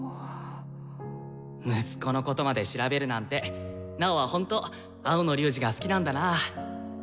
息子のことまで調べるなんてナオはほんと青野龍仁が好きなんだな。